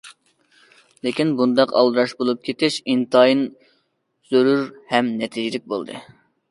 لېكىن بۇنداق ئالدىراش بولۇپ كېتىش ئىنتايىن زۆرۈر ھەم نەتىجىلىك بولدى.